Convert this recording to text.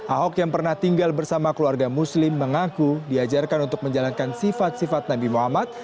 ahok yang pernah tinggal bersama keluarga muslim mengaku diajarkan untuk menjalankan sifat sifat nabi muhammad